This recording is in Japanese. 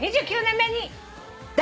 ２９年目に。